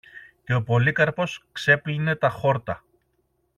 και ο Πολύκαρπος ξέπλενε τα χόρτα.